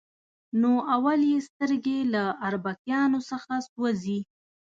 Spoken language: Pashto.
نو اول یې سترګې له اربکیانو څخه سوځي.